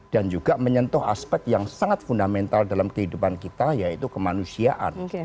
dan juga menyentuh aspek yang sangat fundamental dalam kehidupan kita yaitu kemanusiaan